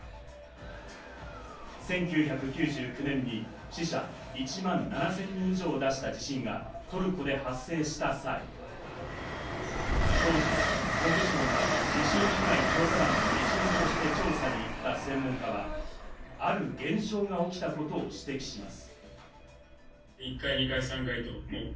１９９９年に死者１万７０００人以上を出した地震がトルコで発生した際、当時、文部省の地震被害調査団の一員として調査に行った専門家は、ある現象が起きたことを指摘します。